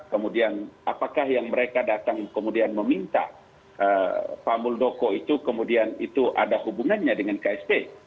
kemudian apakah yang mereka datang kemudian meminta pak muldoko itu kemudian itu ada hubungannya dengan ksp